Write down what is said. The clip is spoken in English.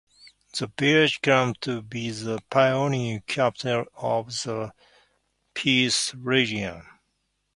The Village claims to be "the pioneer capital of the Peace Region".